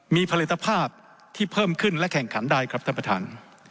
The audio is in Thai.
มีผลิตภาพที่เพิ่มขึ้นและแข่งขันได้ครับท่านประธาน